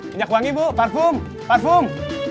minyak wangi bu parfum parfum